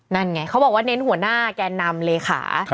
นั่นไงเขาบอกว่าเน้นหัวหน้าแกนนำเลขา